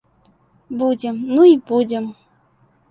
Будзем, ну й будзем.